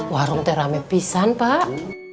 warung teh rame pisang pak